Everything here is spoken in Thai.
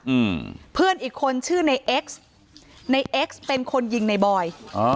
อืมเพื่อนอีกคนชื่อในเอ็กซ์ในเอ็กซ์เป็นคนยิงในบอยอ๋อ